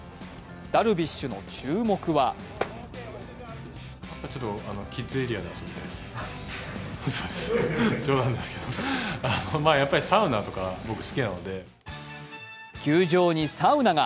ダルビッシュの注目は球場にサウナが！